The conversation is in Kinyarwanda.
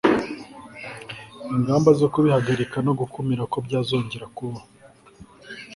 ingamba zo kubihagarika no gukumira ko byazongera kubaho